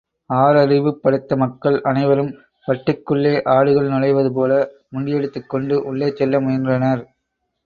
ஆறறிவு படைத்த மக்கள் அனைவரும், பட்டிக்குள்ளே ஆடுகள் நுழைவது போல, முண்டியடித்துக் கொண்டு உள்ளே செல்ல முயன்றனர்.